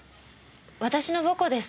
私の母校です。